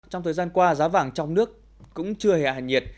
trong thời gian qua giá vàng trong nước cũng chưa hẹn nhiệt